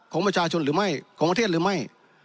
ของประชาชนหรือไม่ของประเทศหรือไม่